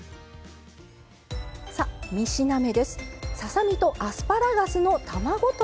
さあ３品目です。